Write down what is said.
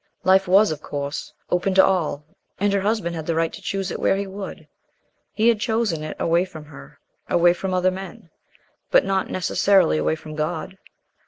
Life was, of course, open to all, and her husband had the right to choose it where he would. He had chosen it away from her, away from other men, but not necessarily away from God.